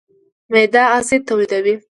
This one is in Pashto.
معده اسید تولیدوي.